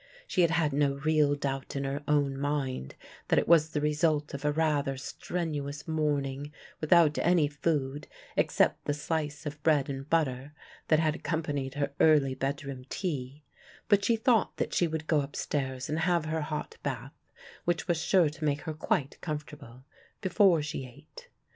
She had had no real doubt in her own mind that it was the result of a rather strenuous morning without any food except the slice of bread and butter that had accompanied her early bedroom tea, but she thought that she would go upstairs and have her hot bath, which was sure to make her quite comfortable, before she ate.